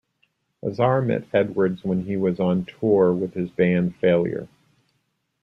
Azar met Edwards when he was on tour with his band, Failure.